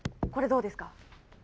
これどうですか？